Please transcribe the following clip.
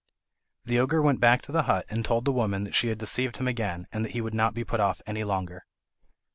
The ogre went back to the hut and told the woman that she had deceived him again, and that he would not be put off any longer.